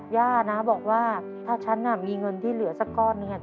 ย่านะบอกว่าถ้าฉันมีเงินที่เหลือสักก้อนหนึ่ง